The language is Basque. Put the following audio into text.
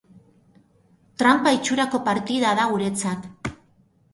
Tranpa itxurako partida da guretzat.